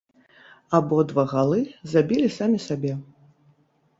Абодва галы забілі самі сабе.